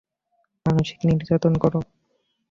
মানসিক নির্যাতন কর।